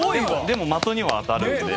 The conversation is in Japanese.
でも的には当たるんで。